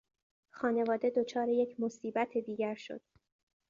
خانواده دچار یک مصیبت دیگر شد.